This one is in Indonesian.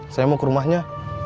saya mau ke rumahnya